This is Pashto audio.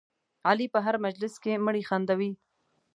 علي په هر مجلس کې مړي خندوي.